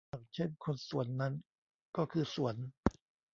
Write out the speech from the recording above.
ดังเช่นคนสวนนั้นก็คือสวน